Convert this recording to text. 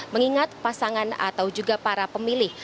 mengingat pasangan atau juga para pemilih